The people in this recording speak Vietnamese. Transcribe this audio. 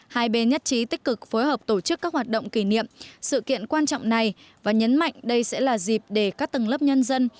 hai bên nhất trí tích cực phối hợp tổ chức các hoạt động kỷ niệm sự kiện quan trọng này và nhấn mạnh đây sẽ là dịp để các tầng lớp nhân dân